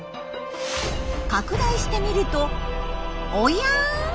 拡大してみるとおやん？